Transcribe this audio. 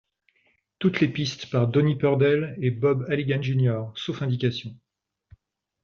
Toutes les pistes par Donnie Purdell & Bob Halligan, Jr., sauf indication.